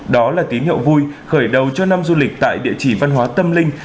đó là tín hiệu vui khởi đầu cho năm du lịch tại địa chỉ văn hóa tâm linh